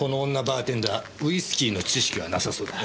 バーテンダーウイスキーの知識はなさそうだ。